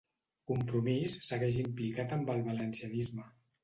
Compromís segueix implicat amb el valencianisme